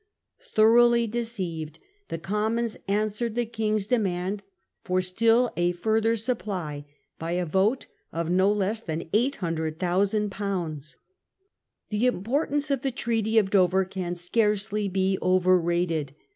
Thoroughly deceived, the Commons answered the King's demand for still a further supply by a vote for no less than 800,000/. The importance of the Treaty of Dover can scarcely be overrated.